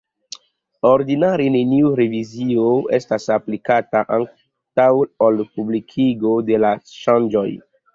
Ordinare neniu revizio estas aplikata antaŭ ol publikigo de la ŝanĝoj.